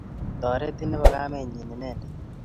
Taretin ne po kamennyi inendet.